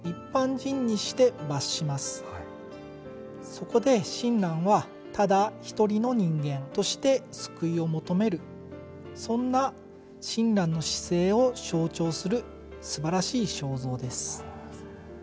そこで親鸞は、ただ一人の人間として救いを求めるそんな親鸞の姿勢を象徴するすばらしい肖像です。